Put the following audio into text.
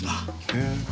へえ。